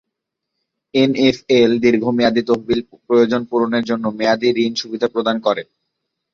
NFL দীর্ঘমেয়াদি তহবিল প্রয়োজন পূরণের জন্য মেয়াদী ঋণ সুবিধা প্রদান করে।